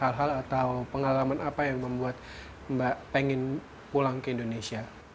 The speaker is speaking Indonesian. hal hal atau pengalaman apa yang membuat mbak pengen pulang ke indonesia